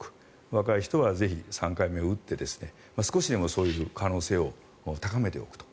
若い人はぜひ３回目を打って少しでもそういう可能性を高めておくと。